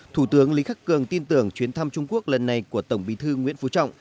thủ tướng lý khắc cường tin tưởng chuyến thăm trung quốc lần này của tổng bí thư nguyễn phú trọng